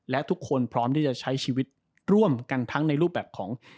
และทุกคนพร้อมที่จะใช้ชีวิตร่วมกันทั้งในรูปแบบของ